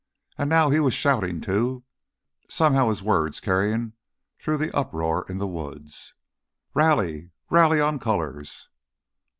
And now he was shouting, too, somehow his words carrying through the uproar in the woods. "Rally! Rally on colors!"